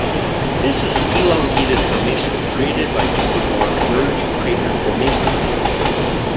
This is an elongated formation created by two or more merged crater formations.